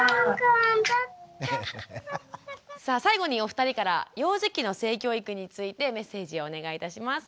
さあ最後にお二人から幼児期の性教育についてメッセージをお願いいたします。